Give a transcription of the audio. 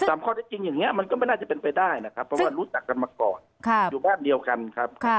ข้อได้จริงอย่างนี้มันก็ไม่น่าจะเป็นไปได้นะครับเพราะว่ารู้จักกันมาก่อนอยู่บ้านเดียวกันครับ